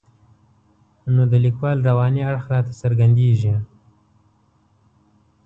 نو د لیکوال رواني اړخ راته څرګندېږي.